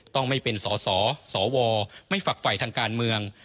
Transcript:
ต้องไม่เป็นสอสอสอวอไม่ฝักไฝ่ทางการเมือง